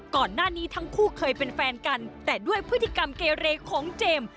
ก่อนหน้านี้ทั้งคู่เคยเป็นแฟนกันแต่ด้วยพฤติกรรมเกเรของเจมส์